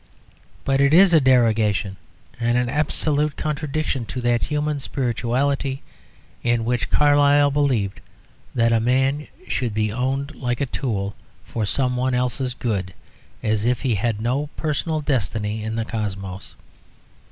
But it is a derogation and an absolute contradiction to that human spirituality in which Carlyle believed that a man should be owned like a tool for someone else's good, as if he had no personal destiny in the Cosmos.